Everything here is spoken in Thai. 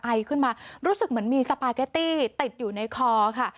ไอขึ้นมารู้สึกเหมือนมีสปาเกตตี้ติดอยู่ในคอค่ะ